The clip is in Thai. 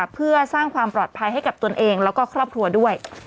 เพื่อสร้างความปลอดภัยให้กับตนเองแล้วก็ครอบครัวด้วย